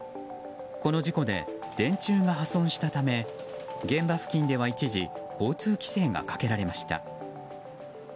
この事故で電柱が破損したため現場付近では一時交通規制がかけられました。